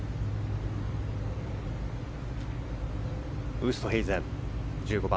ウーストヘイゼン１５番。